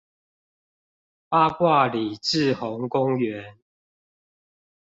八卦里滯洪公園